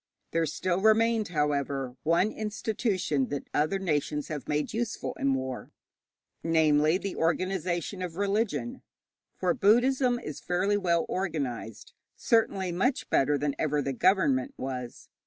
There still remained, however, one institution that other nations have made useful in war, namely, the organization of religion. For Buddhism is fairly well organized certainly much better than ever the government was.